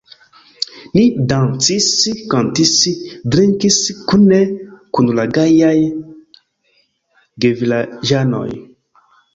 Ni dancis, kantis, drinkis kune kun la gajaj gevilaĝanoj.